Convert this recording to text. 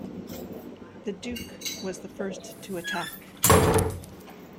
The duke was the first to attack.